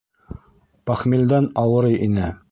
Похмелдән ауырый ине.